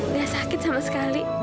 nggak sakit sama sekali